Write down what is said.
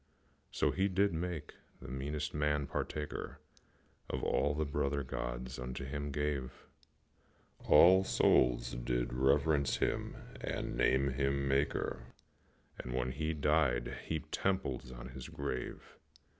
So did he make the meanest man partaker Of all his brother gods unto him gave; All souls did reverence him and name him Maker, And when he died heaped temples on his grave.